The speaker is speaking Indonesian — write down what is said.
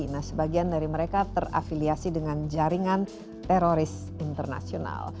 nah sebagian dari mereka terafiliasi dengan jaringan teroris internasional